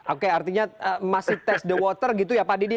oke artinya masih test the water gitu ya pak didi